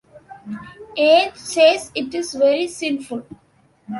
Ange says it is very sinful.